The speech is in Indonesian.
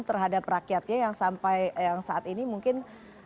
terhadap rakyatnya yang saat ini mungkin